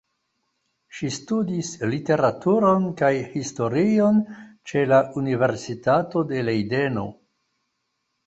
Ŝi studis literaturon kaj historion ĉe la Universitato de Lejdeno.